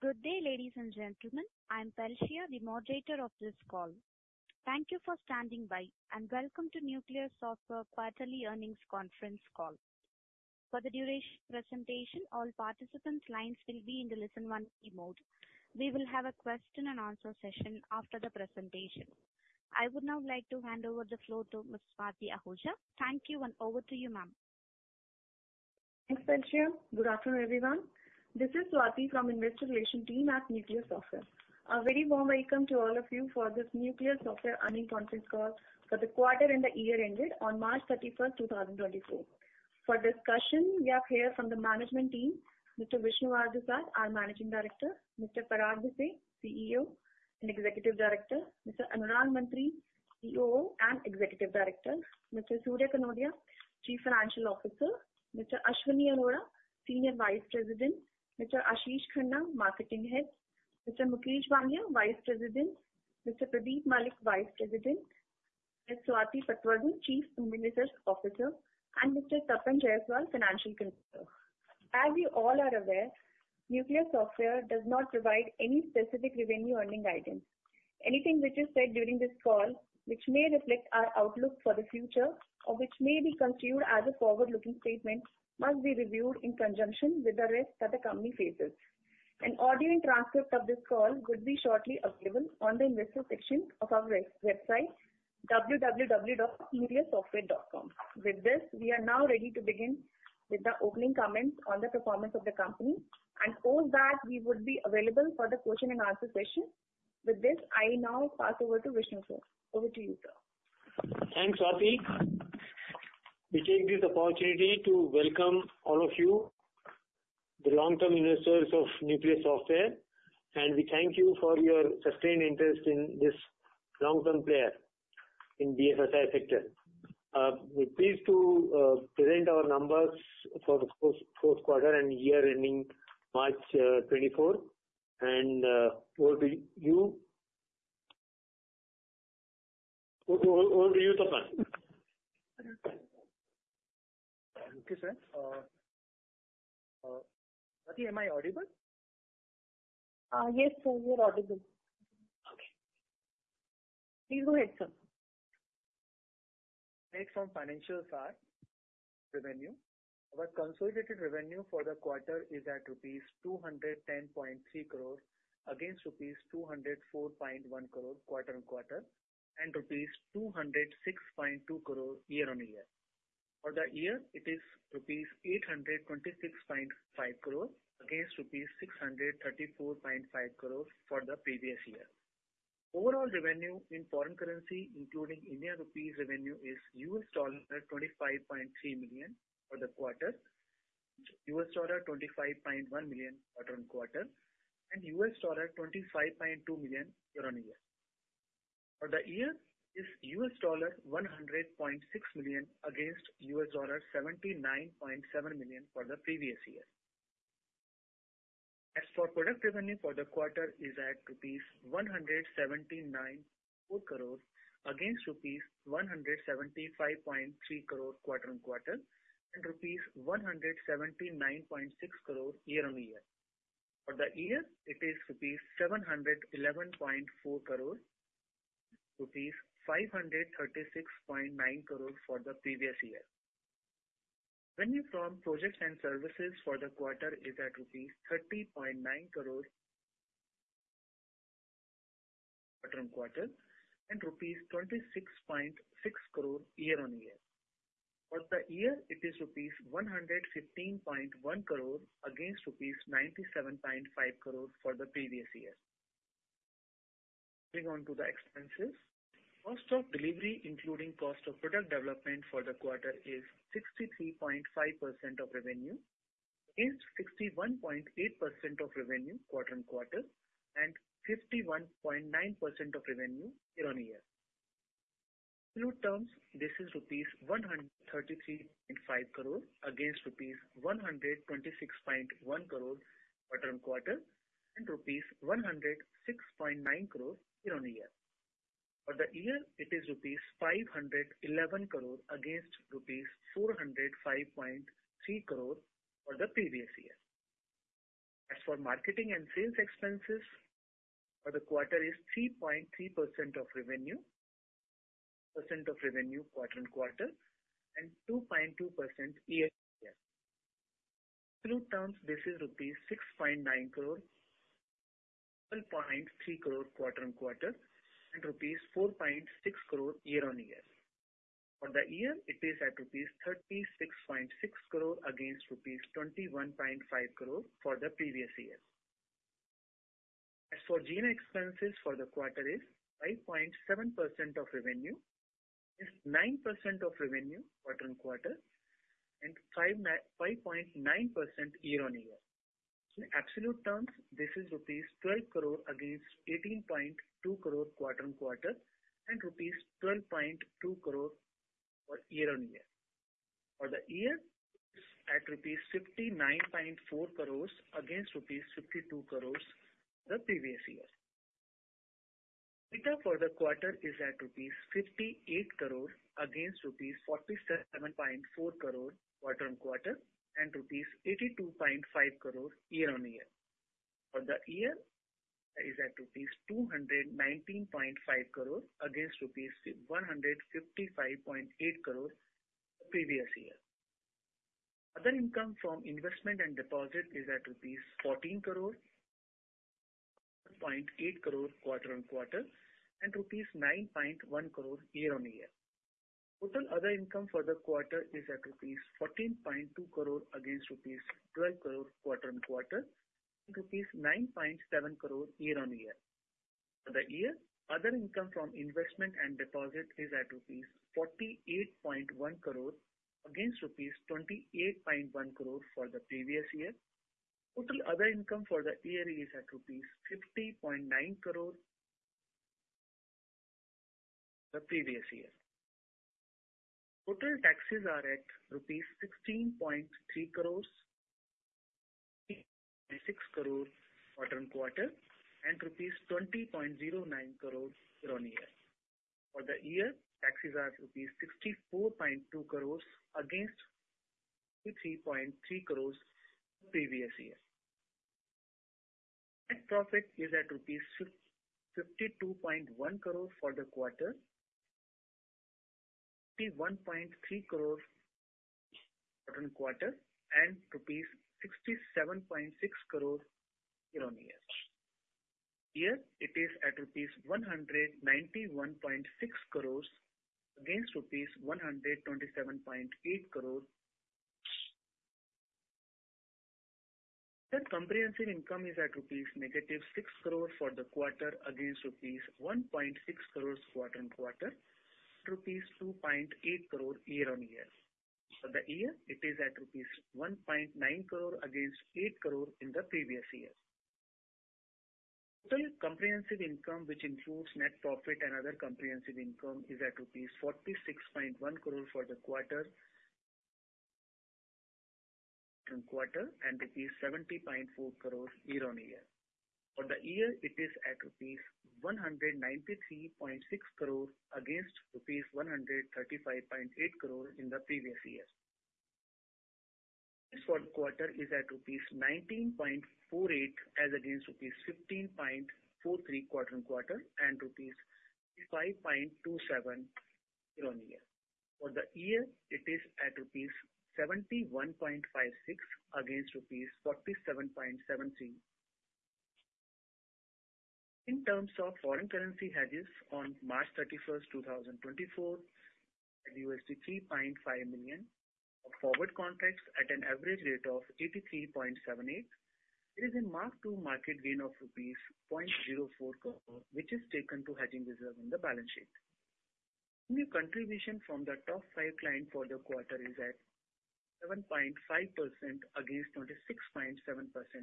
Good day, ladies and gentlemen. I'm Pelcia, the moderator of this call. Thank you for standing by, and welcome to Nucleus Software Quarterly Earnings Conference Call. For the duration of the presentation, all participants' lines will be in the listen-only mode. We will have a question and answer session after the presentation. I would now like to hand over the floor to Ms. Swati Ahuja. Thank you, and over to you, ma'am. Thanks, Pelcia. Good afternoon, everyone. This is Swati from Investor Relations team at Nucleus Software. A very warm welcome to all of you for this Nucleus Software Earnings Conference Call for the quarter and the year ended on March 31, 2024. For discussion, we have here from the management team, Mr. Vishnu R. Dusad, our Managing Director; Mr. Parag Bhise, CEO and Executive Director. Mr. Anurag Mantri, COO and Executive Director; Mr. Surya Prakash Kanodia, Chief Financial Officer; Mr. Ashwani Arora, Senior Vice President; Mr. Ashish Khanna, Marketing Head; Mr. Mukesh Bangia, Vice President; Mr. Pradeep Malik, Vice President; Ms. Swati Patwardhan, Chief Human Resource Officer; and Mr. Tapan Jayaswal, Financial Controller. As you all are aware, Nucleus Software does not provide any specific revenue earning guidance. Anything which is said during this call, which may reflect our outlook for the future or which may be construed as a forward-looking statement, must be reviewed in conjunction with the risk that the company faces. An audio transcript of this call will be shortly available on the investor section of our website, www.nucleussoftware.com. With this, we are now ready to begin with the opening comments on the performance of the company, and post that we would be available for the question and answer session. With this, I now pass over to Vishnu Sir. Over to you, sir. Thanks, Swati. We take this opportunity to welcome all of you, the long-term investors of Nucleus Software, and we thank you for your sustained interest in this long-term player in BFSI sector. We're pleased to present our numbers for the first, fourth quarter and year ending March 2024. Over to you... Over to you, Tapan. Okay, sir. Swati, am I audible? Yes, sir, you are audible. Okay. Please go ahead, sir. Straight from financials are revenue. Our consolidated revenue for the quarter is at rupees 210.3 crores, against rupees 204.1 crores quarter-on-quarter, and rupees 206.2 crores year-on-year. For the year, it is rupees 826.5 crores, against rupees 634.5 crores for the previous year. Overall revenue in foreign currency, including Indian rupees revenue, is $25.3 million for the quarter, $25.1 million quarter-on-quarter, and $25.2 million year-on-year. For the year, is $100.6 million, against $79.7 million for the previous year. As for product revenue for the quarter is at rupees 179.4 crores, against rupees 175.3 crores quarter-on-quarter, and rupees 179.6 crores year-on-year. For the year, it is 711.4 crores rupees, 536.9 crores for the previous year. Revenue from projects and services for the quarter is at rupees 30.9 crores, quarter-on-quarter, and rupees 26.6 crores year-on-year. For the year, it is rupees 115.1 crore, against rupees 97.5 crore for the previous year. Moving on to the expenses. Cost of delivery, including cost of product development for the quarter, is 63.5% of revenue, is 61.8% of revenue quarter-on-quarter, and 51.9% of revenue year-on-year. In absolute terms, this is rupees 133.5 crore, against rupees 126.1 crore quarter-on-quarter, and rupees 106.9 crore year-on-year. For the year, it is rupees 511 crore, against rupees 405.3 crore for the previous year. As for marketing and sales expenses for the quarter is 3.3% of revenue, percent of revenue quarter-on-quarter, and 2.2% year-on-year. In absolute terms, this is rupees 6.9 crore, 7.3 crore quarter-on-quarter, and rupees 4.6 crore year-on-year. For the year, it is at rupees 36.6 crore, against rupees 21.5 crore for the previous year. As for G&A expenses for the quarter is 5.7% of revenue, is 9% of revenue quarter-on-quarter, and 5.9% year-on-year. So in absolute terms, this is rupees 12 crore, against 18.2 crore quarter-on-quarter, and rupees 12.2 crore for year-on-year. For the year, at rupees 59.4 crores, against rupees 52 crores the previous year. For the quarter is at rupees 58 crore against rupees 47.4 crore, quarter-on-quarter, and rupees 82.5 crore, year-on-year. For the year, is at rupees 219.5 crore, against rupees 155.8 crore the previous year. Other income from investment and deposit is at rupees 14 crore, 0.8 crore, quarter-on-quarter, and rupees 9.1 crore, year-on-year. Total other income for the quarter is at rupees 14.2 crore, against rupees 12 crore, quarter-on-quarter, and rupees 9.7 crore, year-on-year. For the year, other income from investment and deposit is at rupees 48.1 crore, against rupees 28.1 crore for the previous year. Total other income for the year is at rupees 50.9 crore, the previous year. Total taxes are at rupees 16.3 crores, 6 crore, quarter-on-quarter, and rupees 20.09 crore, year-on-year. For the year, taxes are rupees 64.2 crores against 3.3 crores the previous year. Net profit is at rupees 52.1 crore for the quarter, 51.3 crore quarter-on-quarter, and INR 67.6 crore year-on-year. For the year, it is at rupees 191.6 crores, against 127.8 crores. Net comprehensive income is at rupees -6 crore for the quarter, against INR 1.6 crores quarter-on-quarter, 2.8 crore year-on-year. For the year, it is at rupees 1.9 crore against 8 crore in the previous year. Total comprehensive income, which includes net profit and other comprehensive income, is at rupees 46.1 crore for the quarter quarter-on-quarter, and 70.4 crores year-on-year. For the year, it is at rupees 193.6 crore, against rupees 135.8 crore in the previous year. For quarter is at rupees 19.48, as against rupees 15.43, quarter-on-quarter, and rupees 5.27, year-on-year. For the year, it is at 71.56 rupees, against INR 47.73. In terms of foreign currency hedges on March 31, 2024, $3.5 million of forward contracts at an average rate of 83.78. It is a mark-to-market gain of rupees 0.04 crore, which is taken to hedging reserve in the balance sheet. New contribution from the top five client for the quarter is at 7.5%, against 26.7%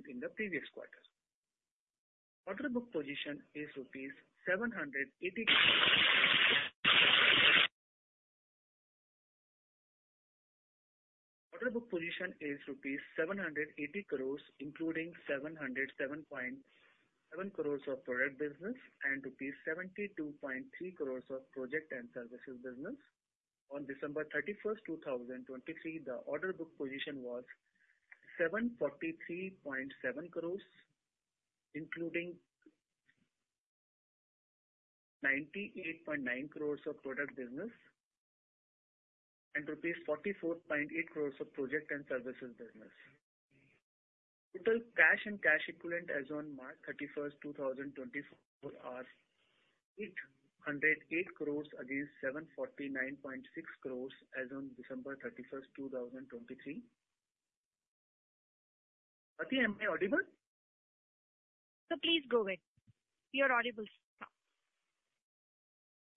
in the previous quarter. Order book position is rupees 780 crores, including 707.7 crores of product business and rupees 72.3 crores of project and services business. On December 31, 2023, the order book position was 743.7 crores, including 98.9 crores of product business and rupees 44.8 crores of project and services business. Total cash and cash equivalent as on March 31, 2024 are 808 crores, against 749.6 crores as on December 31, 2023. Swati, am I audible? Sir, please go ahead. You are audible, sir.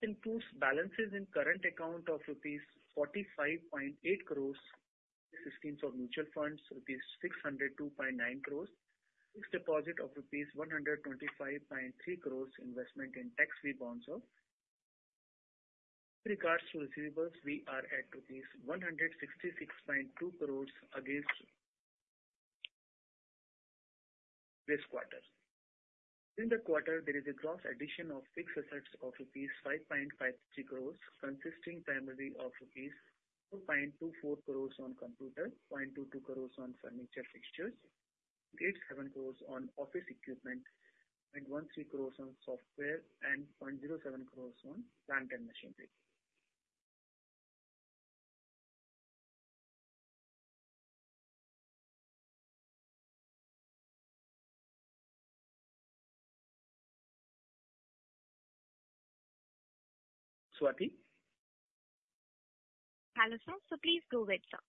Improved balances in current account of rupees 45.8 crores, investments in mutual funds of rupees 602.9 crores, fixed deposit of rupees 125.3 crores, investment in tax-free bonds of... In regards to receivables, we are at rupees 166.2 crores against this quarter. During the quarter, there is a gross addition of fixed assets of rupees 5.53 crores, consisting primarily of rupees 2.24 crores on computer, 0.22 crores on furniture fixtures, 0.7 crores on office equipment, and 1.3 crores on software, and 0.07 crores on plant and machinery. Swati? Hello, sir. Please go ahead, sir.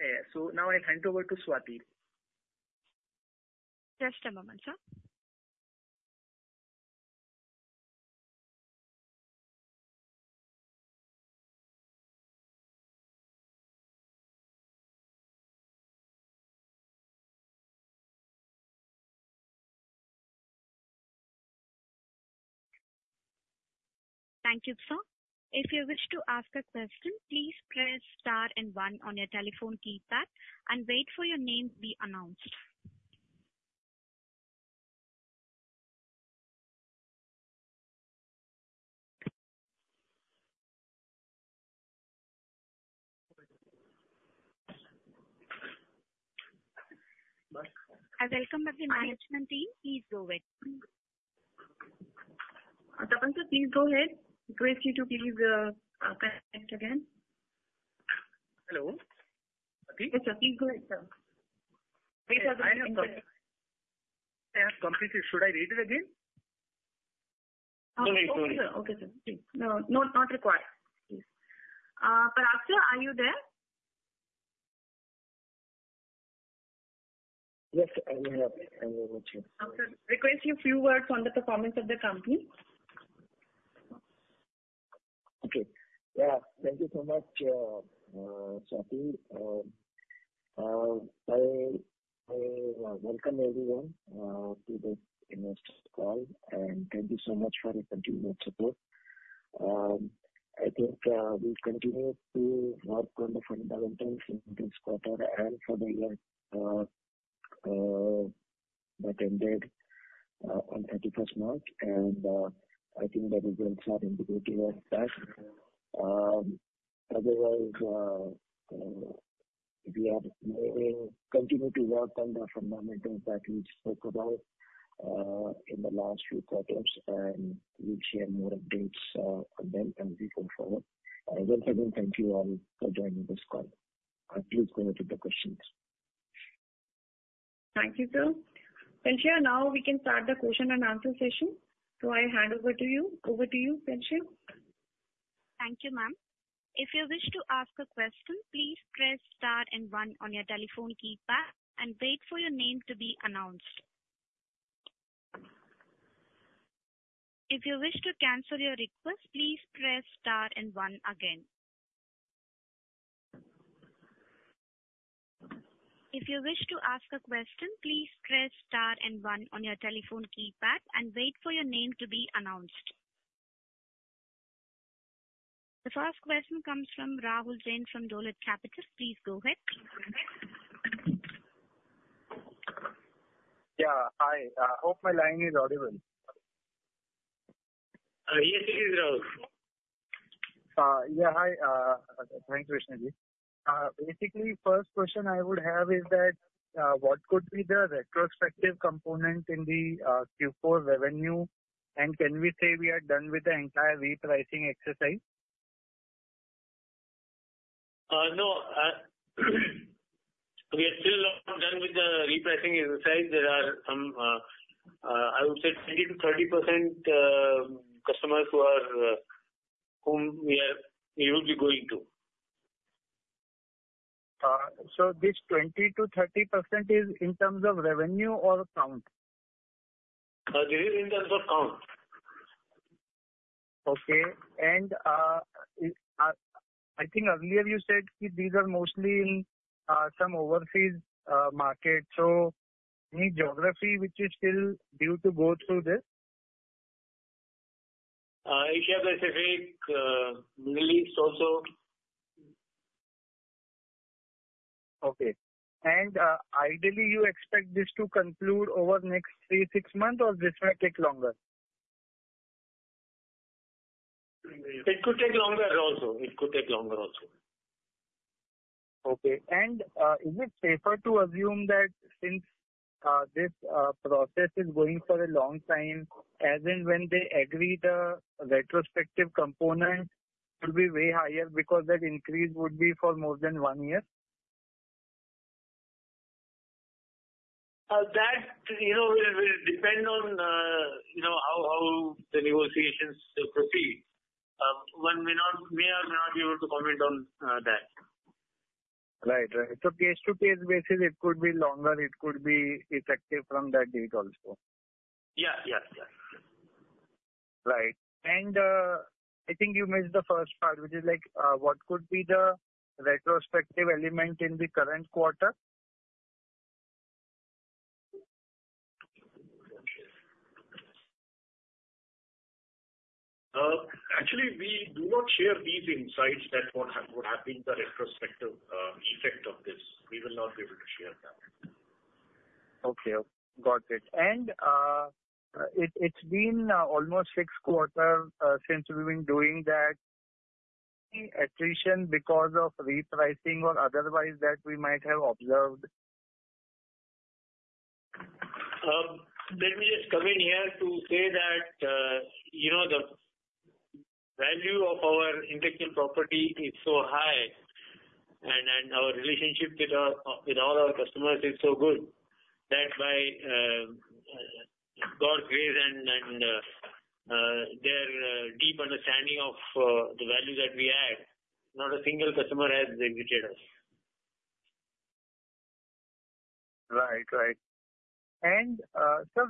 Yeah. So now I hand over to Swati. Just a moment, sir... Thank you, sir. If you wish to ask a question, please press star and one on your telephone keypad and wait for your name be announced. I welcome the management team. Please go ahead. Dhananjay, please go ahead. Request you to please connect again. Hello? Swati. Yes, sir, please go ahead, sir. I have completed. Should I read it again? Sorry, sorry. Okay, sir. Okay, sir. No, not required, please. Parag sir, are you there? Yes, I am here. I'm with you. Okay. Request you a few words on the performance of the company. Okay. Yeah, thank you so much, Swati. I welcome everyone to this investor call, and thank you so much for your continued support. I think we continue to work on the fundamentals in this quarter and for the year that ended on 31st March. I think the results are indicative of that. Otherwise, we are continuing to work on the fundamentals that we spoke about in the last few quarters, and we'll share more updates on them as we go forward. Once again, thank you all for joining this call. Please go ahead with the questions. Thank you, sir. Pelcia, now we can start the question and answer session, so I hand over to you. Over to you, Pelcia. Thank you, ma'am. If you wish to ask a question, please press star and one on your telephone keypad, and wait for your name to be announced. If you wish to cancel your request, please press star and one again. If you wish to ask a question, please press star and one on your telephone keypad and wait for your name to be announced. The first question comes from Rahul Jain, from Dolat Capital. Please go ahead. Yeah, hi. I hope my line is audible. Yes, it is, Rahul. Yeah, hi. Thank you, Krishnan ji. Basically, first question I would have is that, what could be the retrospective component in the Q4 revenue? And can we say we are done with the entire repricing exercise? No, we are still not done with the repricing exercise. There are some, I would say 20%-30% customers who are, whom we are usually going to. This 20%-30% is in terms of revenue or account? Really in terms of account. Okay. And, I think earlier you said that these are mostly in some overseas markets. So any geography which is still due to go through this? Asia Pacific, Middle East also. Okay. And, ideally, you expect this to conclude over the next 3-6 months, or this might take longer? It could take longer also. Okay. And, is it safer to assume that since this process is going for a long time, as and when they agree, the retrospective component will be way higher because that increase would be for more than one year? That, you know, will depend on, you know, how the negotiations proceed. One may or may not be able to comment on that. Right. Right. So case-to-case basis, it could be longer, it could be effective from that date also. Yeah, yeah, yeah. Right. And, I think you missed the first part, which is like, what could be the retrospective element in the current quarter? Actually, we do not share these insights that what have been the retrospective effect of this. We will not be able to share that. Okay. Got it. And, it's been almost six quarters since we've been doing that, any attrition because of repricing or otherwise that we might have observed? Let me just come in here to say that, you know, the value of our intellectual property is so high, and our relationship with all our customers is so good that by God's grace and their deep understanding of the value that we add, not a single customer has exited us. Right. Right. And, sir...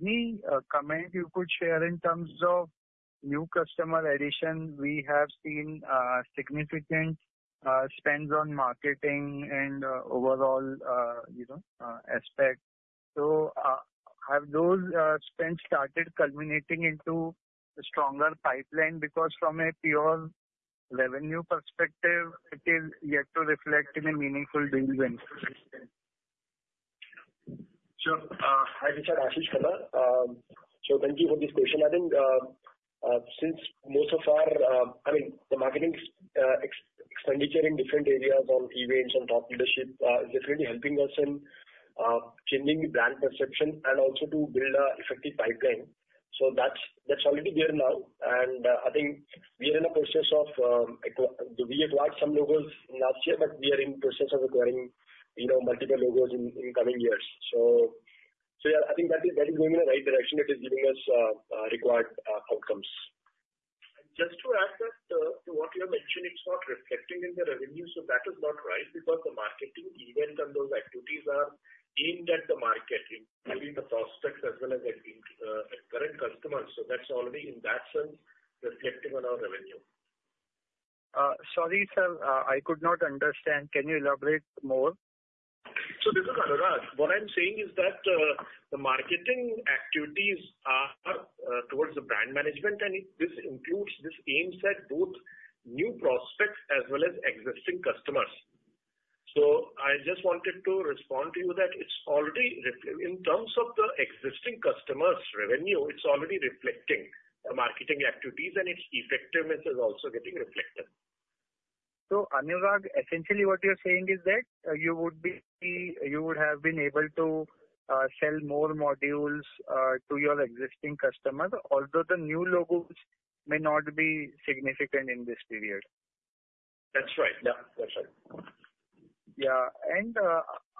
Any comment you could share in terms of new customer addition? We have seen significant spends on marketing and overall, you know, aspect. So, have those spends started culminating into a stronger pipeline? Because from a pure revenue perspective, it is yet to reflect in a meaningful deal win. Sure. Hi, This is, Ashish Khanna. So thank you for this question. I think, since most of our, I mean, the marketing expenditure in different areas on events and top leadership is definitely helping us in changing the brand perception and also to build an effective pipeline. So that's already there now, and I think we are in a process of—we acquired some logos last year, but we are in process of acquiring, you know, multiple logos in coming years. So yeah, I think that is going in the right direction. It is giving us required outcomes. Just to add that, to what you have mentioned, it's not reflecting in the revenue, so that is not right, because the marketing event and those activities are aimed at the market, in driving the prospects as well as, current customers. So that's already in that sense, reflecting on our revenue. Sorry, sir, I could not understand. Can you elaborate more? This is Anurag. What I'm saying is that the marketing activities are towards the brand management, and it, this includes, this aims at both new prospects as well as existing customers. I just wanted to respond to you that it's already reflecting in terms of the existing customers' revenue, it's already reflecting the marketing activities, and its effectiveness is also getting reflected. Anurag, essentially what you're saying is that you would be, you would have been able to, sell more modules, to your existing customers, although the new logos may not be significant in this period? That's right. Yeah, that's right. Yeah. And,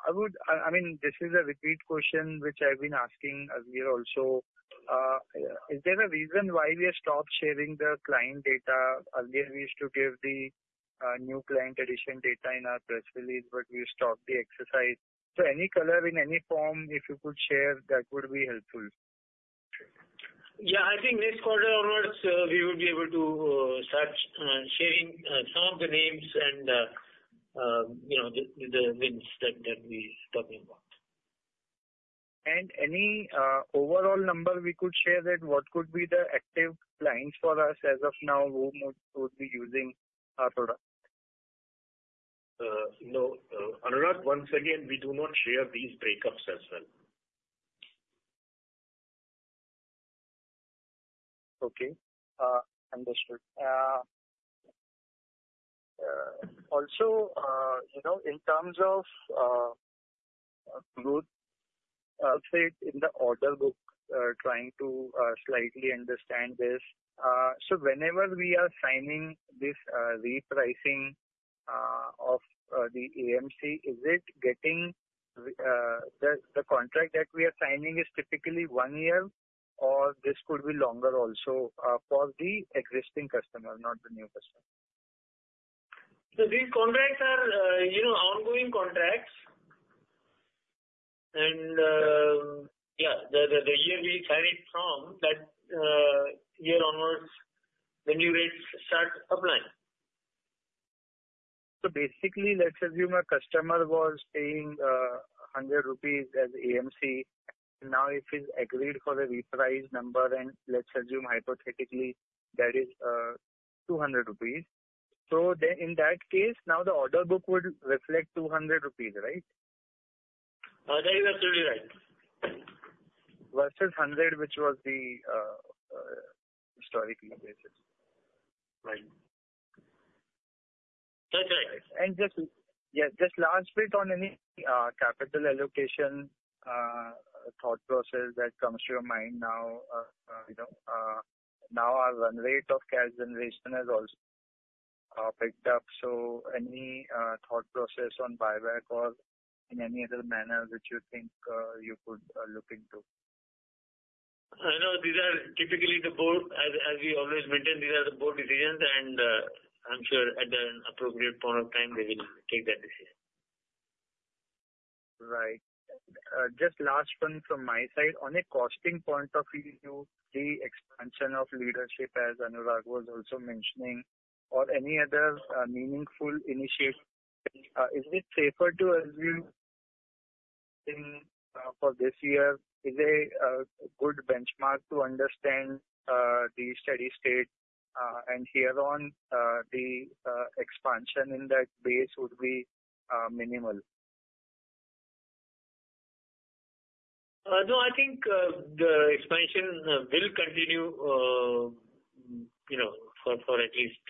I would, I mean, this is a repeat question, which I've been asking earlier also. Is there a reason why we have stopped sharing the client data? Earlier, we used to give the new client addition data in our press release, but we stopped the exercise. So any color in any form, if you could share, that would be helpful. Yeah, I think this quarter onwards, we will be able to start sharing some of the names and, you know, the wins that we talking about. Any overall number we could share that what could be the active clients for us as of now, who would be using our product? No, Anurag, once again, we do not share these breakups as well. Okay, understood. Also, you know, in terms of growth, say, in the order book, trying to slightly understand this. So whenever we are signing this repricing of the AMC, is the contract that we are signing typically one year, or this could be longer also, for the existing customer, not the new customer? So these contracts are, you know, ongoing contracts. Yeah, the year we sign it from, that year onwards, the new rates start applying. So basically, let's assume a customer was paying 100 rupees as AMC. Now, if he's agreed for the repriced number, and let's assume hypothetically, that is, 200 rupees. So then in that case, now the order book would reflect 200 rupees, right? That is absolutely right. Versus 100, which was the historical basis. Right. That's right. Just, yeah, just last bit on any capital allocation thought process that comes to your mind now, you know, now our run rate of cash generation has also picked up. Any thought process on buyback or in any other manner which you think you could look into? I know these are typically the board, as, as we always maintain, these are the board decisions, and, I'm sure at the appropriate point of time, they will take that decision. Right. Just last one from my side. On a costing point of view, the expansion of leadership, as Anurag was also mentioning, or any other meaningful initiative, is it safer to assume in for this year is a good benchmark to understand the steady state, and hereon the expansion in that base would be minimal? No, I think the expansion will continue, you know, for, for at least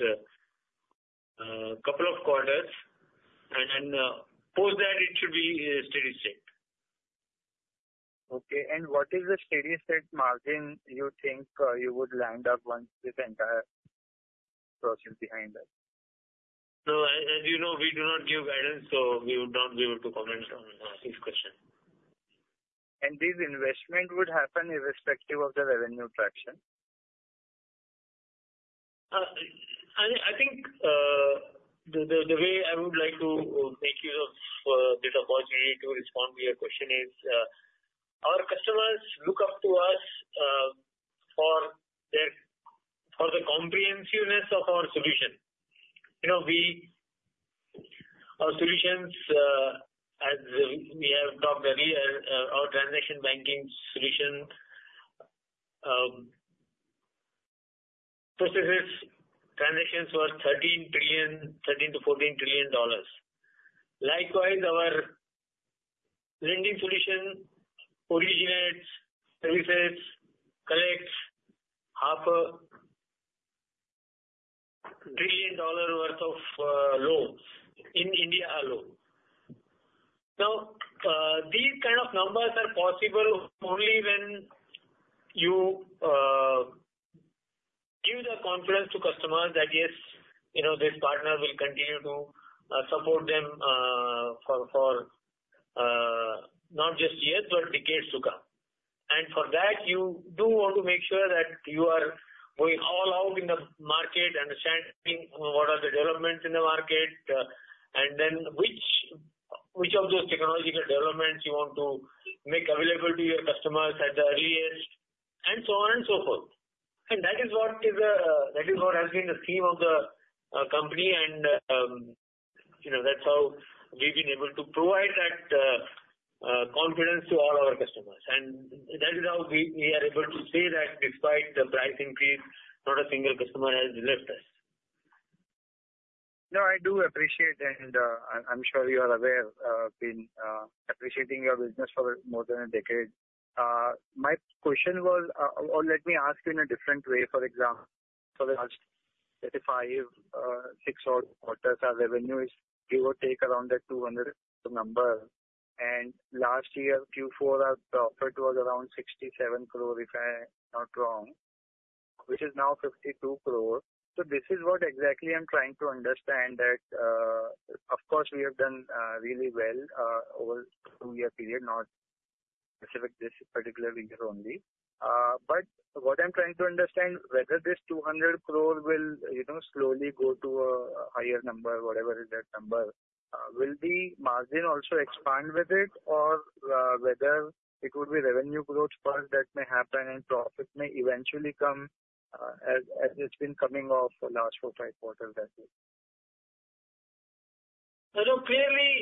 a couple of quarters, and then post that it should be a steady state. Okay. And what is the steady state margin you think you would land up once this entire process behind us? So as you know, we do not give guidance, so we would not be able to comment on this question. This investment would happen irrespective of the revenue traction? I think the way I would like to make use of this opportunity to respond to your question is, our customers look up to us for the comprehensiveness of our solution. You know, our solutions, as we have talked earlier, our transaction banking solution processes transactions worth $13-$14 trillion. Likewise, our lending solution originates, services, collects $0.5 trillion worth of loans in India alone. Now, these kind of numbers are possible only when you give the confidence to customers that, yes, you know, this partner will continue to support them for not just years, but decades to come. For that, you do want to make sure that you are going all out in the market, understanding what are the developments in the market, and then which of those technological developments you want to make available to your customers at the earliest, and so on and so forth. And that is what is, that is what has been the theme of the company. And, you know, that's how we've been able to provide that confidence to all our customers. And that is how we are able to say that despite the price increase, not a single customer has left us. No, I do appreciate, and, I'm sure you are aware I've been appreciating your business for more than a decade. My question was, or let me ask you in a different way. For example, for the last 35-36 odd quarters, our revenue is give or take around that 200 number, and last year, Q4, our profit was around 67 crore, if I'm not wrong, which is now 52 crore. So this is what exactly I'm trying to understand that, of course, we have done really well over 2-year period, not specific, this particular year only. But what I'm trying to understand, whether this 200 crore will, you know, slowly go to a higher number, whatever is that number, will the margin also expand with it? Or, whether it would be revenue growth first that may happen and profit may eventually come, as it's been coming off the last 4, 5 quarters that way. Hello. Clearly,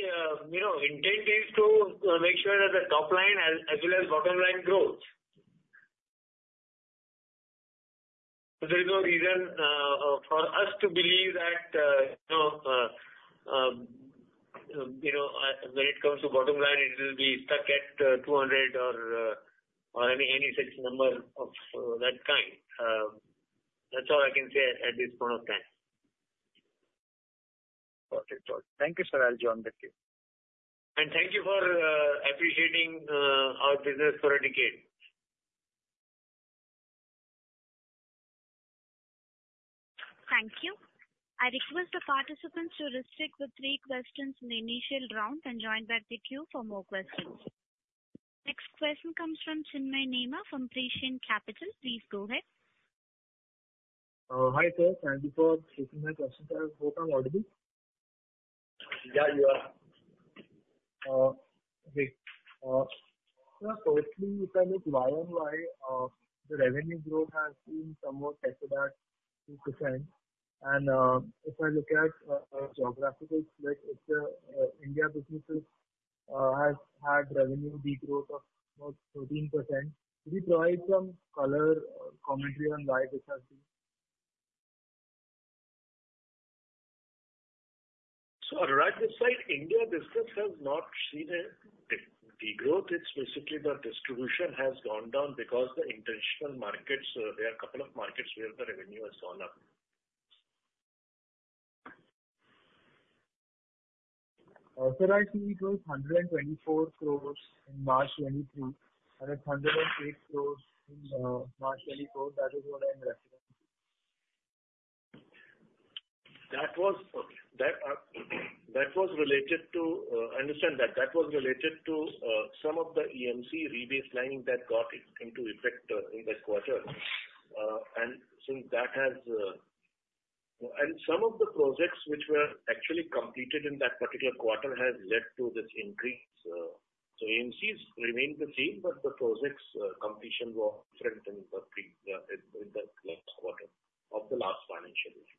you know, intent is to make sure that the top line as well as bottom line grows. There is no reason for us to believe that, you know, when it comes to bottom line, it will be stuck at 200 or any such number of that kind. That's all I can say at this point of time. Perfect. Thank you, sir. I'll join the queue. Thank you for appreciating our business for a decade. Thank you. I request the participants to restrict to three questions in the initial round and join back the queue for more questions. Next question comes from Chinmay Nema, from Prescient Capital. Please go ahead. Hi, sir, thank you for taking my question. I hope I'm audible. Yeah, you are. Great. Sir, firstly, if I look year-on-year, the revenue growth has been somewhat better at 2%. And, if I look at the geographical split, it's India businesses has had revenue degrowth of about 13%. Could you provide some color or commentary on why this has been? So right this side, India business has not seen a degrowth. It's basically the distribution has gone down because the international markets, there are a couple of markets where the revenue has gone up. Sir, I see it was 124 crore in March 2023 and 108 crore in March 2024. That is what I'm referencing. That was that that was related to. I understand that. That was related to some of the AMC repricing that got into effect in that quarter. And since that has... And some of the projects which were actually completed in that particular quarter has led to this increase. So AMC remains the same, but the projects completion were different in the previous in the last quarter of the last financial year.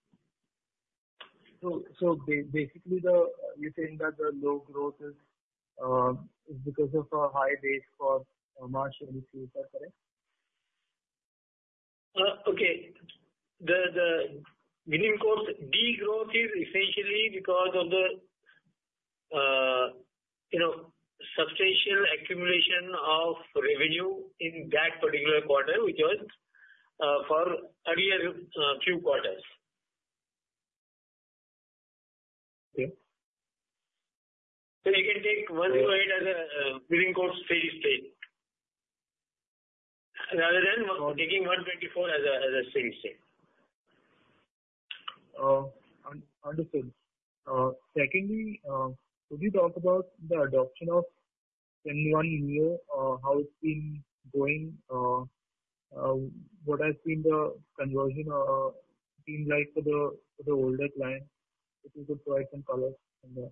So, basically, you're saying that the low growth is because of a high base for March 2023, is that correct? Okay. The, the billing course degrowth is essentially because of the, you know, substantial accumulation of revenue in that particular quarter, which was for earlier few quarters. Okay. You can take 1 point as a billings growth rate, rather than taking 124 as a steady state. Understood. Secondly, could you talk about the adoption of FinnOne Neo, how it's been going? What has the conversion been like for the older clients? If you could provide some color on that.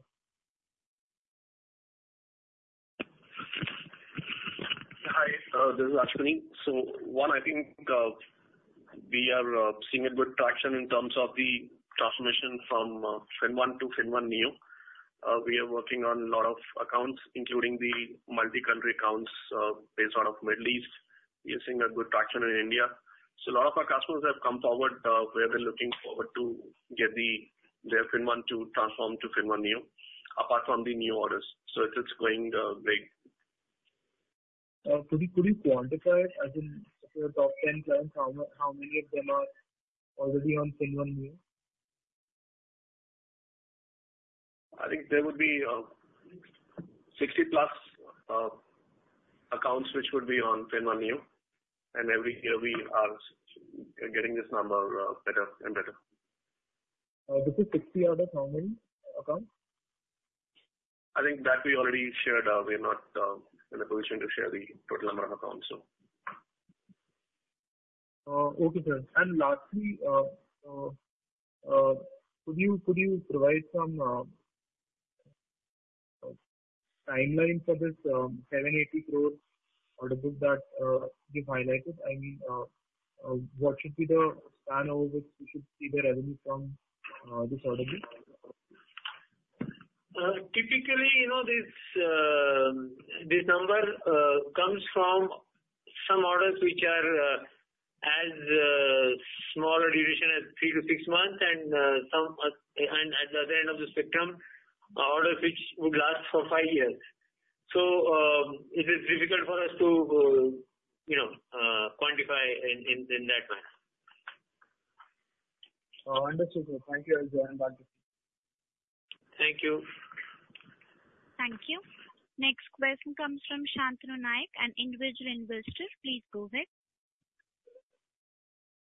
Hi, this is Ashwani. So one, I think, we are seeing a good traction in terms of the transformation from FinnOne to FinnOne Neo. We are working on a lot of accounts, including the multi-country accounts, based out of Middle East. We are seeing a good traction in India. So a lot of our customers have come forward, where they're looking forward to get the, their FinnOne to transform to FinnOne Neo, apart from the new orders. So it is going great. Could you, could you quantify as in your top 10 clients, how much, how many of them are already on FinnOne Neo? I think there would be 60+ accounts which would be on FinnOne Neo, and every year we are getting this number better and better. This is 60 out of how many accounts? I think that we already shared. We are not in a position to share the total number of accounts, so. Okay, sir. And lastly, could you provide some timeline for this 780 crore order book that you've highlighted? I mean, what should be the span over which we should see the revenue from this order book? Typically, you know, this number comes from some orders which are as small a duration as three to six months, and some at the other end of the spectrum, orders which would last for five years. So, it is difficult for us to, you know, quantify in that manner. Understood, sir. Thank you, everyone, bye. Thank you. Thank you. Next question comes from Shantanu Naik, an individual investor. Please go ahead.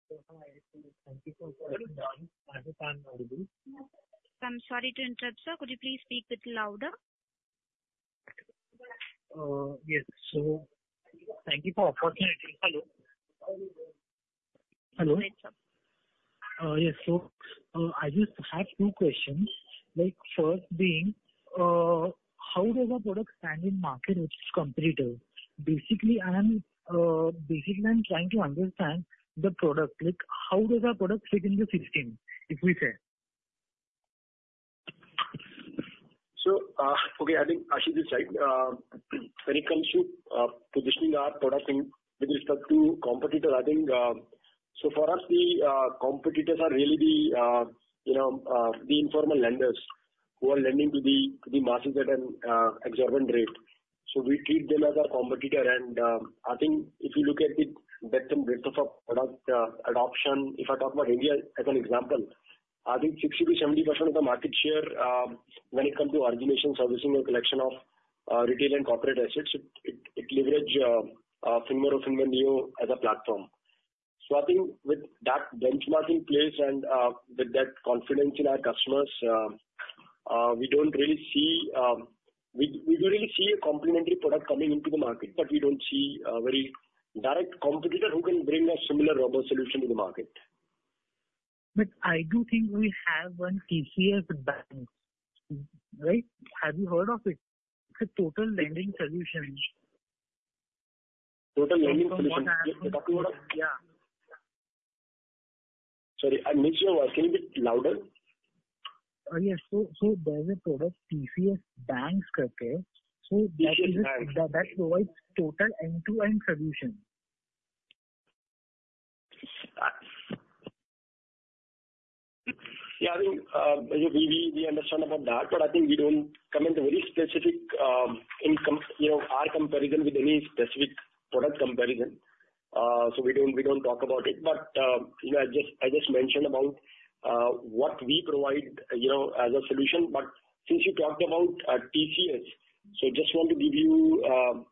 Thank you for calling. I am Shantanu Naik. I'm sorry to interrupt, sir. Could you please speak a little louder? Yes. So thank you for opportunity. Hello? Hello. Yes, sir. Yes. So, I just have two questions. Like, first being, how does our product stand in market which is competitive? Basically, I am, basically I'm trying to understand the product. Like, how does our product fit in the system, if we say? So, okay, I think Ashish this side. When it comes to positioning our product in with respect to competitor, I think, so for us, the competitors are really the, you know, the informal lenders who are lending to the masses at an exorbitant rate. So we treat them as our competitor. And, I think if you look at the depth and breadth of our product adoption, if I talk about India as an example, I think 60%-70% of the market share, when it comes to origination, servicing or collection of retail and corporate assets, it leverages FinnOne or FinnOne Neo as a platform. So I think with that benchmarking in place and with that confidence in our customers, we don't really see... We do really see a complementary product coming into the market, but we don't see a very direct competitor who can bring a similar robust solution to the market. But I do think we have one TCS BaNCS, right? Have you heard of it? It's a total lending solution. Total lending solution. Yeah. Sorry, I missed your word. Can you be louder? Yes. So, there's a product, TCS BaNCS, okay. TCS Banks. That provides total end-to-end solution. Yeah, I think we understand about that, but I think we don't come into very specific, in comp, you know, our comparison with any specific product comparison. So we don't talk about it. But you know, I just mentioned about what we provide, you know, as a solution. But since you talked about TCS, so just want to give you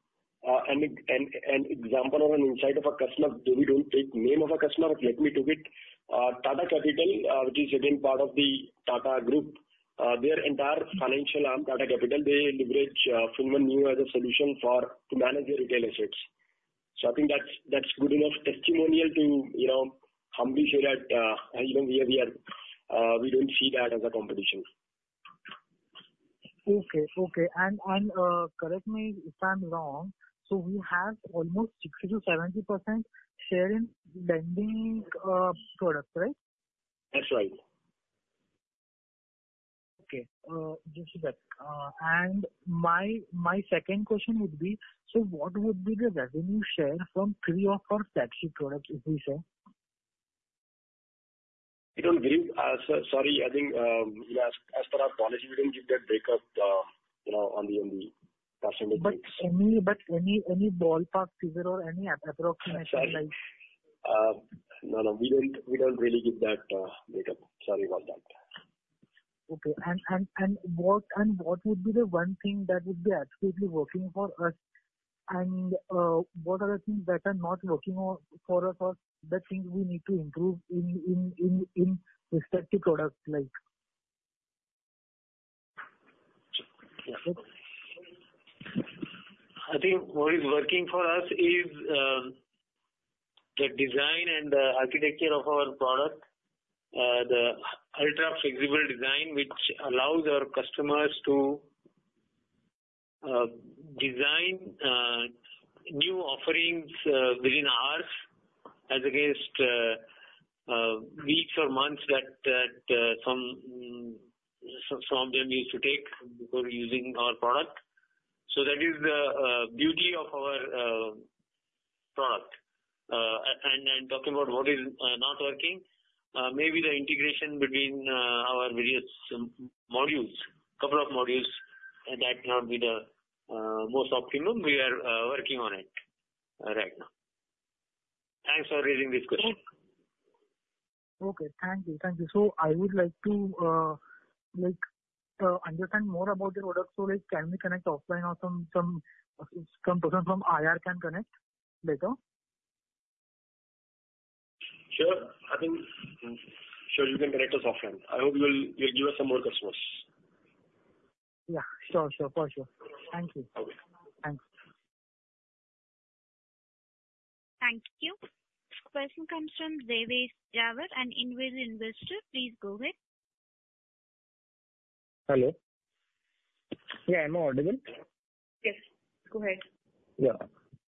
an example or an insight of a customer. Though we don't take name of a customer, but let me take it. Tata Capital, which is again part of the Tata Group, their entire financial arm, Tata Capital, they leverage FinnOne Neo as a solution for to manage their retail assets. So, I think that's good enough testimonial to, you know, humbly say that even we are; we don't see that as a competition. Okay, okay. And correct me if I'm wrong, so we have almost 60%-70% share in lending product, right? That's right. Okay. Just that. And my, my second question would be: so what would be the revenue share from three of our taxi products, if we say? We don't really, so sorry. I think, you know, as per our policy, we don't give that breakup, you know, on the percentage. Any ballpark figure or any approximation like? No, no. We don't, we don't really give that breakup. Sorry about that. Okay, what would be the one thing that would be absolutely working for us? And what are the things that are not working for us, or the things we need to improve in respective products, like? I think what is working for us is the design and the architecture of our product. The ultra-flexible design, which allows our customers to design new offerings within hours, as against weeks or months that some of them used to take before using our product. So that is the beauty of our product. And talking about what is not working, maybe the integration between our various modules, couple of modules that may not be the most optimum. We are working on it right now. Thanks for raising this question. Okay, thank you. Thank you. So I would like to, like, understand more about the product. So, like, can we connect offline or some person from IR can connect better? Sure. I think, sure, you can connect us offline. I hope you will, you'll give us some more customers. Yeah, sure, sure. For sure. Thank you. Okay. Thanks. Thank you. Next question comes from Devesh Jhaver, an individual investor. Please go ahead. Hello. Yeah, am I audible? Yes, go ahead. Yeah.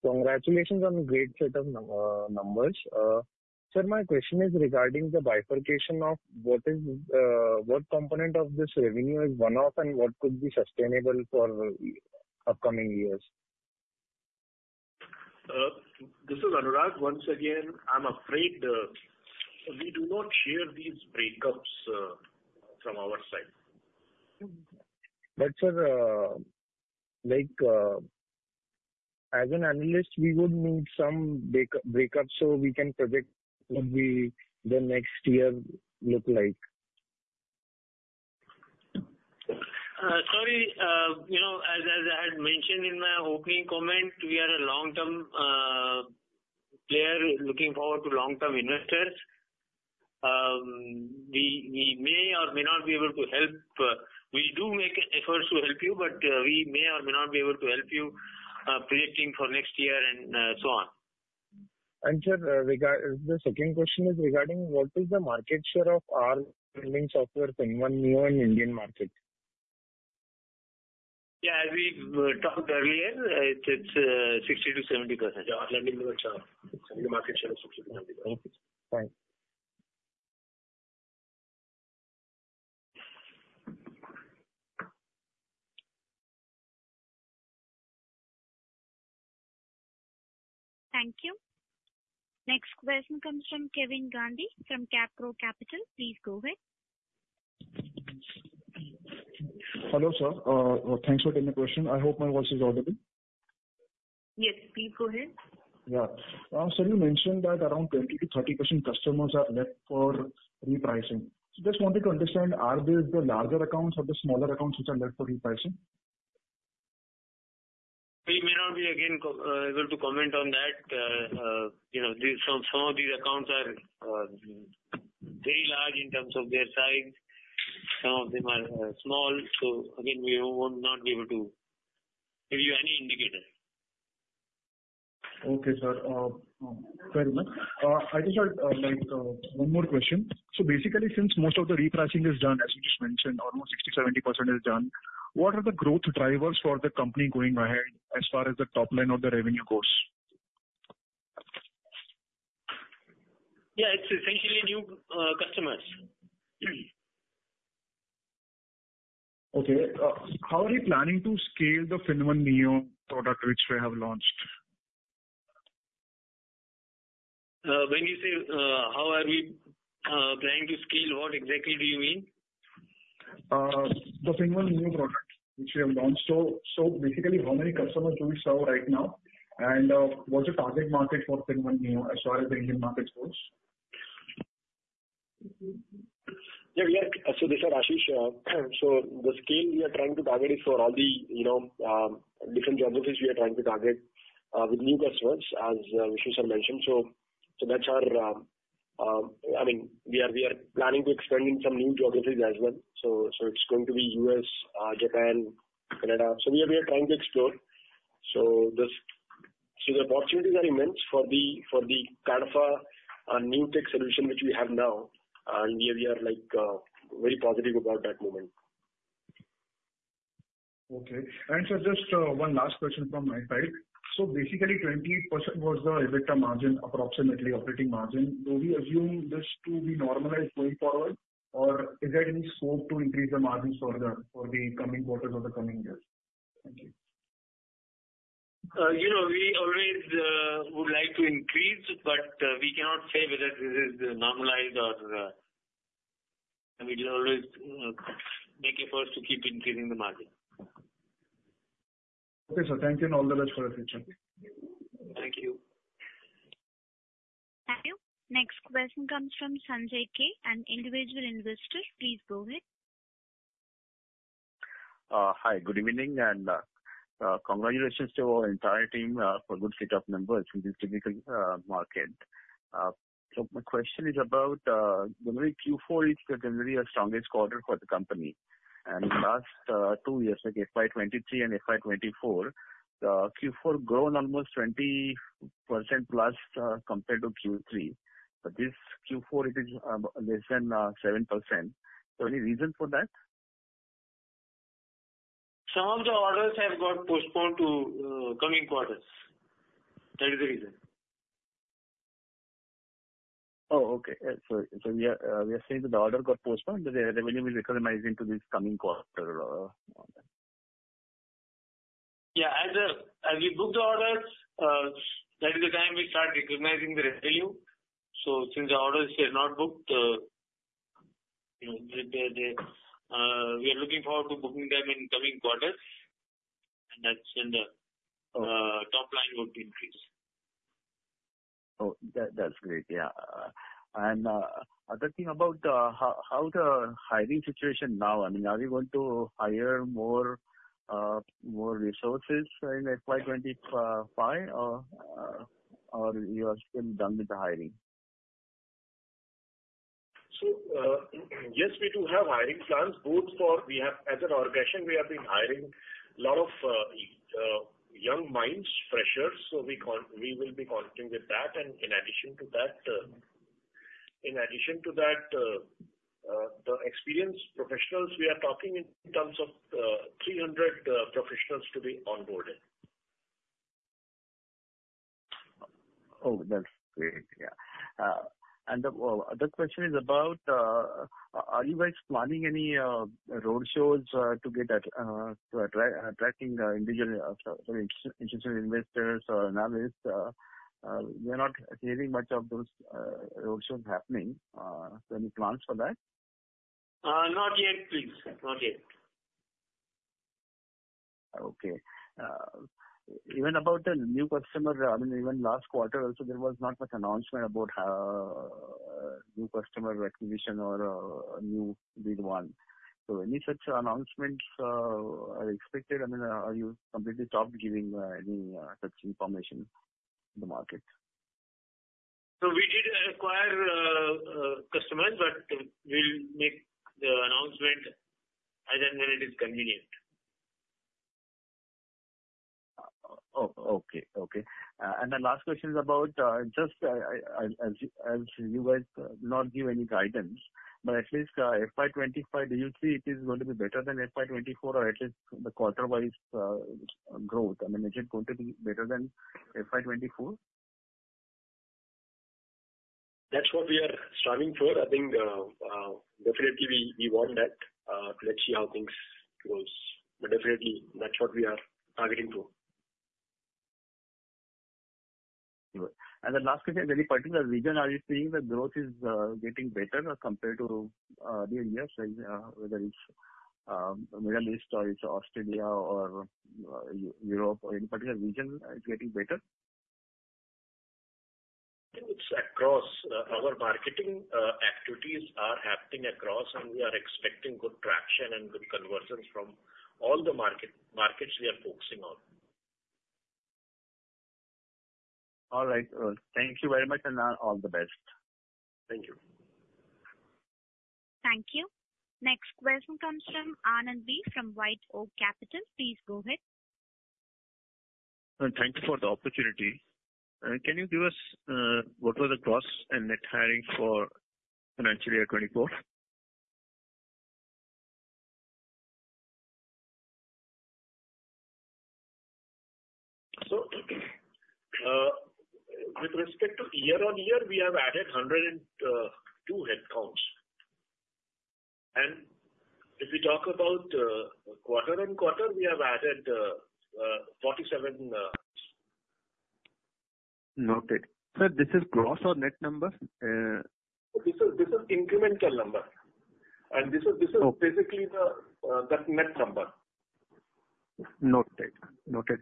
Congratulations on the great set of numbers. Sir, my question is regarding the bifurcation of what is what component of this revenue is one-off and what could be sustainable for the upcoming years? This is Anurag. Once again, I'm afraid, we do not share these breakups from our side. But, sir, like, as an analyst, we would need some breakup, breakups, so we can project what the, the next year look like. Sorry, you know, as I had mentioned in my opening comment, we are a long-term player looking forward to long-term investors. We may or may not be able to help. We do make efforts to help you, but we may or may not be able to help you predicting for next year and so on. Sir, the second question is regarding what is the market share of our lending software FinnOne Neo in Indian market? Yeah, as we talked earlier, it's 60%-70%. Our lending market share is 60%-70%. Thank you. Bye. Thank you. Next question comes from Kevin Gandhi, from CapGrow Capital. Please go ahead. Hello, sir. Thanks for taking the question. I hope my voice is audible. Yes, please go ahead. Yeah. Sir, you mentioned that around 20%-30% customers are left for repricing. So just wanted to understand, are they the larger accounts or the smaller accounts which are left for repricing? We may not be, again, able to comment on that. You know, these, some of these accounts are very large in terms of their size. Some of them are small. So again, we would not be able to give you any indicator. Okay, sir. Fair enough. I just had, like, one more question. So basically, since most of the repricing is done, as you just mentioned, almost 60%-70% is done, what are the growth drivers for the company going ahead as far as the top line of the revenue goes? Yeah, it's essentially new customers. Okay. How are you planning to scale the FinnOne Neo product which we have launched? When you say, how are we planning to scale, what exactly do you mean? The FinnOne Neo product which we have launched. So basically, how many customers do we serve right now? And, what's the target market for FinnOne Neo as far as the Indian market goes? Yeah, we are. So this is Ashish. So the scale we are trying to target is for all the, you know, different geographies we are trying to target, with new customers, as, Vishnu sir mentioned. So, so that's our, I mean, we are, we are planning to expand in some new geographies as well. So, so it's going to be US, Japan, Canada. So we are, we are trying to explore. So the, so the opportunities are immense for the, for the for our, new tech solution, which we have now. And we are, we are, like, very positive about that movement. Okay. And, sir, just, one last question from my side. So basically, 20% was the EBITDA margin, approximately operating margin. Do we assume this to be normalized going forward, or is there any scope to increase the margins further for the coming quarters or the coming years? Thank you. You know, we always would like to increase, but we cannot say whether this is normalized or... We will always make efforts to keep increasing the margin. Okay, sir, thank you and all the best for the future. ...Next question comes from Sanjay K, an individual investor. Please go ahead. Hi, good evening, and congratulations to your entire team for good set of numbers in this difficult market. So my question is about, normally Q4 is generally your strongest quarter for the company. And last two years, like FY 2023 and FY 2024, Q4 grown almost 20%+ compared to Q3, but this Q4 it is less than 7%. So any reason for that? Some of the orders have got postponed to, coming quarters. That is the reason. Oh, okay. So we are saying that the order got postponed, the revenue will recognize into this coming quarter? Yeah, as we book the orders, that is the time we start recognizing the revenue. So since the orders are not booked, you know, we are looking forward to booking them in coming quarters, and that's when the- Okay. Top line would increase. Oh, that's great. Yeah. And other thing about how the hiring situation now, I mean, are you going to hire more resources in FY 2025, or you are still done with the hiring? So, yes, we do have hiring plans, both for... We have, as an organization, we have been hiring a lot of young minds, freshers, so we will be continuing with that. And in addition to that, the experienced professionals, we are talking in terms of 300 professionals to be onboarded. Oh, that's great. Yeah. And the other question is, are you guys planning any roadshows to attract institutional investors or analysts? We are not hearing much of those roadshows happening. So any plans for that? Not yet, please. Not yet. Okay. Even about the new customer, I mean, even last quarter also, there was not much announcement about new customer acquisition or new big one. So any such announcements are expected? I mean, are you completely stopped giving any such information to the market? We did acquire customers, but we'll make the announcement as and when it is convenient. Okay. And the last question is about just as you guys not give any guidance, but at least FY 2025 usually it is going to be better than FY 2024, or at least the quarter-wise growth. I mean, is it going to be better than FY 2024? That's what we are striving for. I think, definitely we, we want that. Let's see how things goes, but definitely that's what we are targeting to. Good. And the last question, any particular region are you seeing the growth is getting better compared to the years, whether it's Middle East or it's Australia or Europe, or any particular region is getting better? It's across. Our marketing activities are happening across, and we are expecting good traction and good conversions from all the markets we are focusing on. All right. Thank you very much, and all the best. Thank you. Thank you. Next question comes from Anand B, from White Oak Capital. Please go ahead. Thank you for the opportunity. Can you give us what was the gross and net hiring for financial year 2024? So, with respect to year-on-year, we have added 102 headcounts. And if we talk about quarter-on-quarter, we have added 47... Noted. Sir, this is gross or net number? This is incremental number. And this is- Okay. This is basically the, the net number. Noted, noted.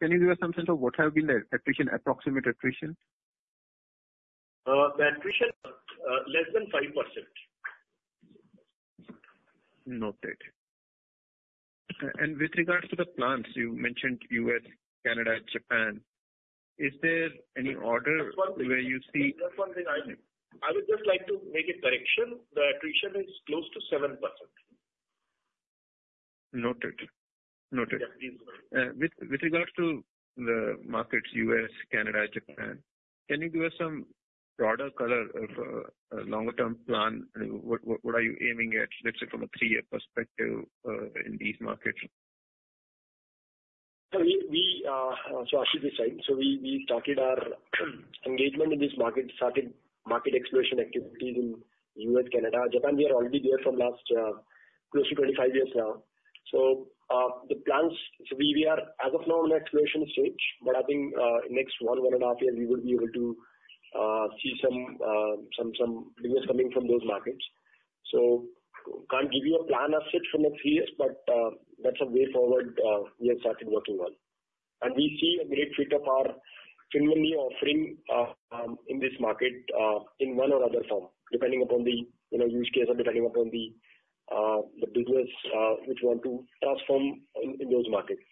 Can you give us some sense of what have been the attrition, approximate attrition? The attrition, less than 5%. Noted. With regards to the plans, you mentioned US, Canada, Japan. Is there any order where you see- Just one thing, I would just like to make a correction. The attrition is close to 7%. Noted. Noted. Yeah, please. With regards to the markets, US, Canada, Japan, can you give us some broader color of a longer-term plan? What are you aiming at, let's say, from a three-year perspective, in these markets? So as you decide, we started our engagement in this market, started market exploration activities in the U.S., Canada, Japan. We are already there from last close to 25 years now. So the plans, we are as of now in exploration stage, but I think next one and a half year, we will be able to see some business coming from those markets.... So can't give you a plan as such from the three years, but that's a way forward we have started working on. And we see a great fit of our FinnOne Neo offering in this market in one or other form, depending upon the, you know, use case or depending upon the the business which want to transform in in those markets.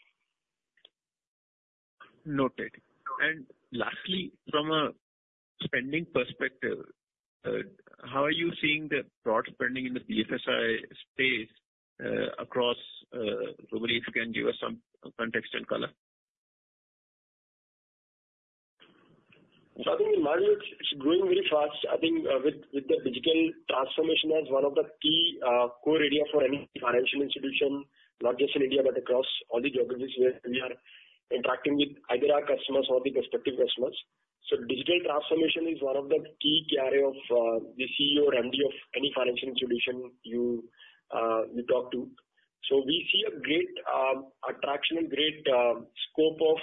Noted. And lastly, from a spending perspective, how are you seeing the broad spending in the BFSI space, across globally? If you can give us some context and color. So I think the market is growing really fast. I think, with, with the digital transformation as one of the key, core area for any financial institution, not just in India, but across all the geographies where we are interacting with either our customers or the prospective customers. So digital transformation is one of the key area of, the CEO or MD of any financial institution you, you talk to. So we see a great, attraction and great, scope of,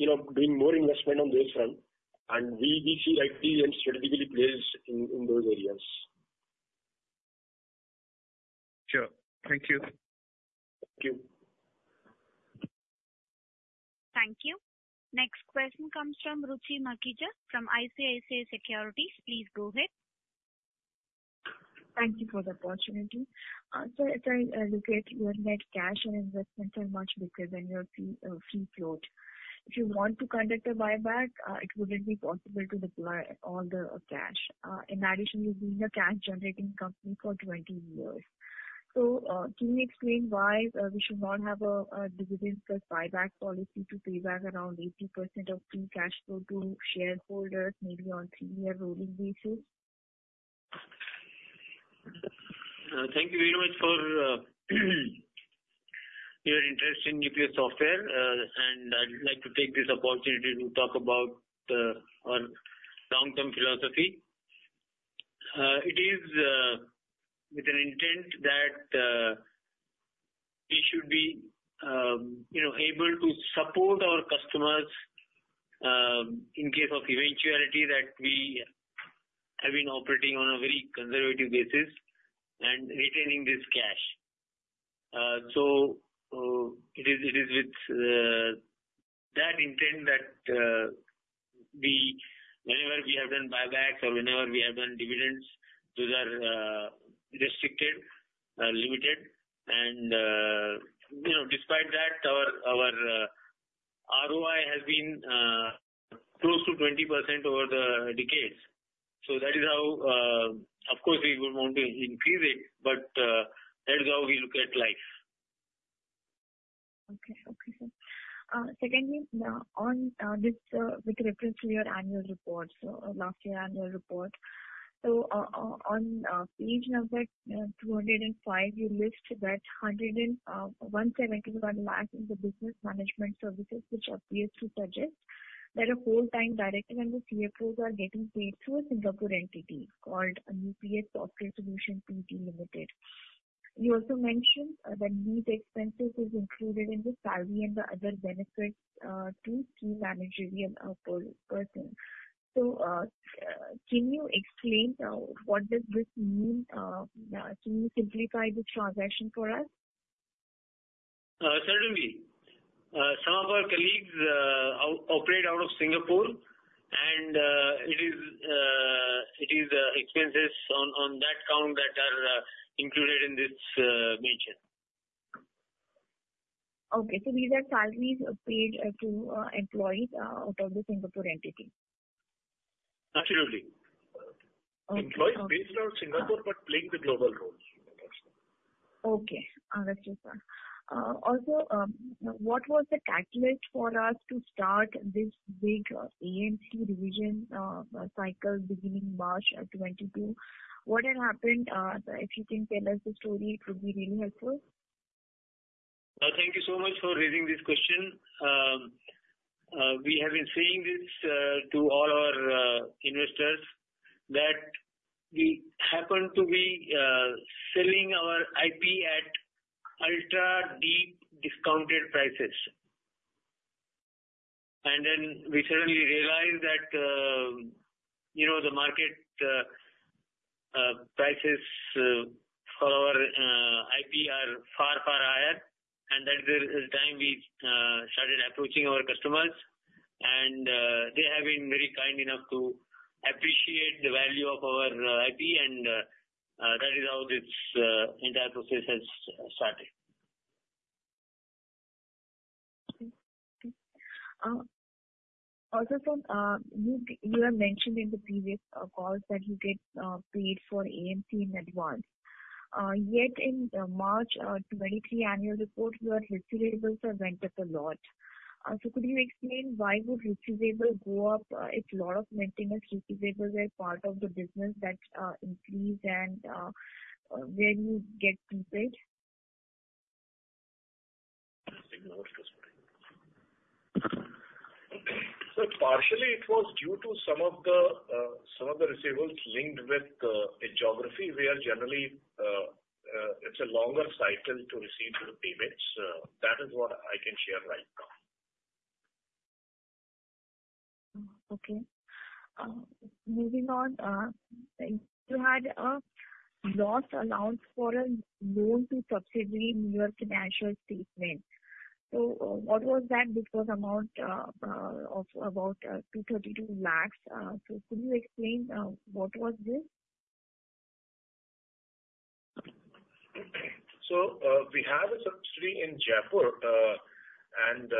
you know, doing more investment on this front, and we see Nucleus strategically placed in, in those areas. Sure. Thank you. Thank you. Thank you. Next question comes from Ruchi Mukhija, from ICICI Securities. Please go ahead. Thank you for the opportunity. So as I look at your net cash and investments are much weaker than your free float. If you want to conduct a buyback, it wouldn't be possible to deploy all the cash. In addition, you've been a cash-generating company for 20 years. So, can you explain why we should not have a dividend plus buyback policy to pay back around 80% of free cash flow to shareholders, maybe on three-year rolling basis? Thank you very much for your interest in Nucleus Software, and I'd like to take this opportunity to talk about our long-term philosophy. It is with an intent that we should be, you know, able to support our customers in case of eventuality that we have been operating on a very conservative basis and retaining this cash. So, it is with that intent that, whenever we have done buybacks or whenever we have done dividends, those are restricted, limited. And, you know, despite that, our ROI has been close to 20% over the decades. So that is how. Of course, we would want to increase it, but that is how we look at life. Okay. Okay, sir. Secondly, on this, with reference to your annual report, so last year annual report. So on page number 205, you list that 171 lakhs in the business management services, which appears to suggest that a full-time director and the CFOs are getting paid through a Singapore entity called Nucleus Software Solutions Pte. Ltd. You also mentioned that these expenses is included in the salary and the other benefits to key managerial personnel. So, can you explain what does this mean? Can you simplify this transaction for us? Certainly. Some of our colleagues operate out of Singapore, and it is expenses on that count that are included in this mention. Okay, so these are salaries paid to employees out of the Singapore entity? Absolutely. Okay. Employees based out of Singapore, but playing the global roles. Okay. That's clear. Also, what was the catalyst for us to start this big AMC revision cycle beginning March of 2022? What had happened? If you can tell us the story, it would be really helpful. Thank you so much for raising this question. We have been saying this to all our investors, that we happen to be selling our IP at ultra deep discounted prices. Then we suddenly realized that, you know, the market prices for our IP are far, far higher. That is the time we started approaching our customers. They have been very kind enough to appreciate the value of our IP, and that is how this entire process has started. Okay. Also, sir, you have mentioned in the previous calls that you get paid for AMC in advance. Yet in March 2023 annual report, your receivables have went up a lot. So could you explain why would receivable go up, if lot of maintenance receivables are part of the business that increase and when you get prepaid? So partially it was due to some of the receivables linked with a geography where generally it's a longer cycle to receive the payments. That is what I can share right now.... Okay. Maybe not, you had a loss allowance for a loan to subsidiary in your financial statement. So, what was that? It was amount of about 232 lakhs. So could you explain what was this? So, we have a subsidiary in Jaipur, and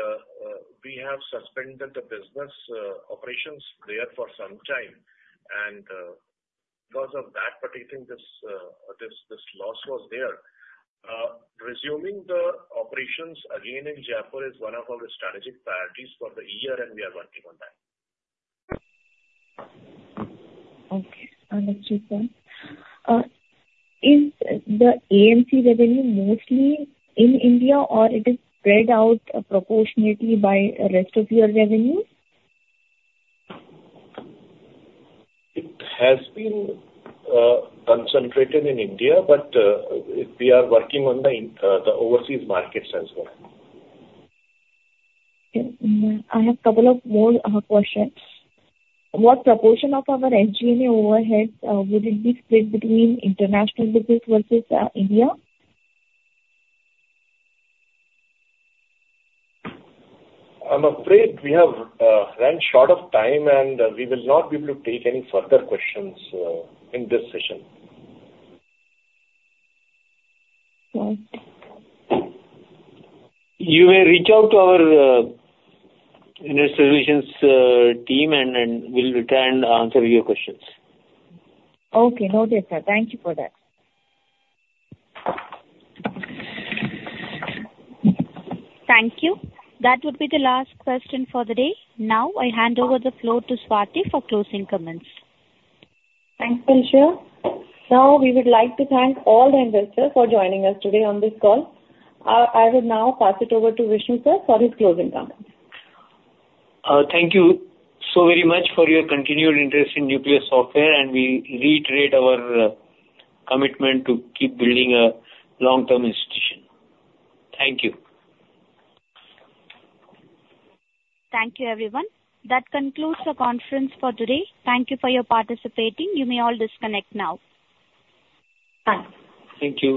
we have suspended the business operations there for some time. Because of that particular thing, this loss was there. Resuming the operations again in Jaipur is one of our strategic priorities for the year, and we are working on that. Okay. Understood, sir. Is the AMC revenue mostly in India or it is spread out proportionately by rest of your revenue? It has been concentrated in India, but we are working on the in the overseas markets as well. Okay. I have couple of more questions. What proportion of our SG&A overhead would it be split between international business versus India? I'm afraid we have run short of time, and we will not be able to take any further questions in this session. Right. You may reach out to our investor relations team, and we'll return and answer your questions. Okay. No doubt, sir. Thank you for that. Thank you. That would be the last question for the day. Now, I hand over the floor to Swati for closing comments. Thanks, Alisha. Now, we would like to thank all the investors for joining us today on this call. I will now pass it over to Vishnu sir, for his closing comments. Thank you so very much for your continued interest in Nucleus Software, and we reiterate our commitment to keep building a long-term institution. Thank you. Thank you, everyone. That concludes the conference for today. Thank you for your participating. You may all disconnect now. Bye. Thank you.